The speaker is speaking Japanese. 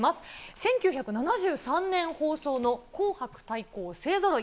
１９７３年放送の紅白対抗勢ぞろい！